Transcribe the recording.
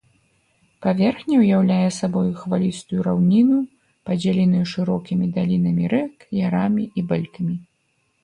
Паверхня ўяўляе сабой хвалістую раўніну, падзеленую шырокімі далінамі рэк, ярамі і бэлькамі.